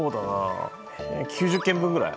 ９０軒分ぐらい。